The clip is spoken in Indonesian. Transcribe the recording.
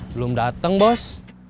belum datang bos